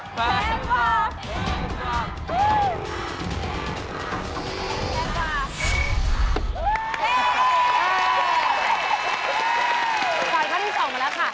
ขวดข้าวที่สองมาแล้วค่ะ